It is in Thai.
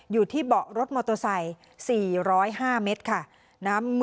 อยู่ที่เบาะรถมอเตอร์ไซด์สี่ร้อยห้าเมตรค่ะนะ